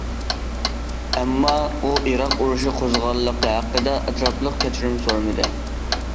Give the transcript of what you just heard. ئەمما، ئۇ ئىراق ئۇرۇشى قوزغىغانلىقى ھەققىدە ئەتراپلىق كەچۈرۈپ سورىمىدى.